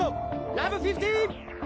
ラブフィフティーン！